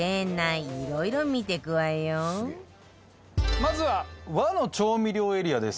まずは和の調味料エリアです。